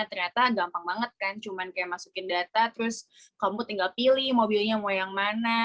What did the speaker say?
ternyata gampang banget kan cuma kayak masukin data terus kamu tinggal pilih mobilnya mau yang mana